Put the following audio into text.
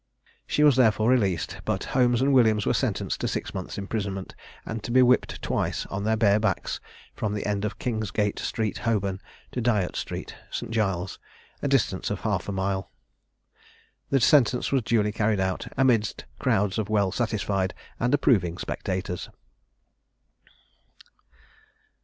She was therefore released; but Holmes and Williams were sentenced to six months' imprisonment, and to be whipped twice on their bare backs from the end of Kingsgate street, Holborn, to Dyot street, St. Giles's, a distance of half a mile. The sentence was duly carried out, amidst crowds of well satisfied and approving spectators.